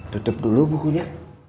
tutup dulu bukunya